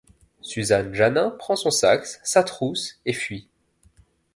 Suzanne Jannin prend son sac, sa trousse et fuit.